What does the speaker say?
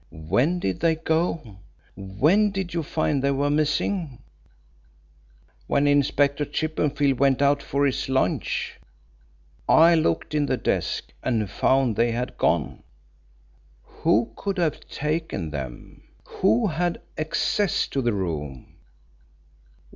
"When did they go: when did you find they were missing?" "When Inspector Chippenfield went out for his lunch. I looked in the desk and found they had gone." "Who could have taken them? Who had access to the room?"